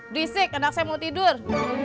berisik anak saya mau tidur